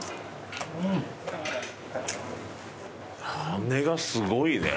羽根がすごいね。